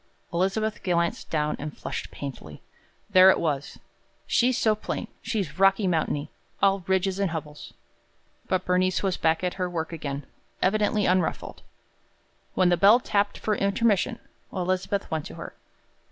Elizabeth glanced down and flushed painfully. There it was: "She's so plain. She's Rocky Mountainy all ridges and hubbles." But Bernice was back at her work again, evidently unruffled. When the bell tapped for intermission, Elizabeth went to her.